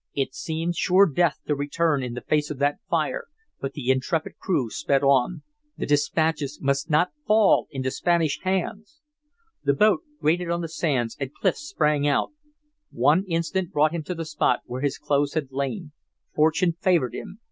It seemed sure death to return in the face of that fire, but the intrepid crew sped on. The dispatches must not fall into Spanish hands! The boat grated on the sands, and Clif sprang out. One instant brought him to the spot where his clothes had lain. Fortune favored him.